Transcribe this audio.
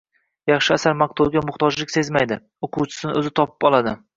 Yaxshi asar maqtovga muhtojlik sezmaydi, o‘quvchisini o‘zi topib oladi